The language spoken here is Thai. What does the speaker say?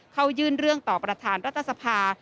เข้ายื่นเรื่องต่อประธานรัฐสภา